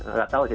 nggak tahu sih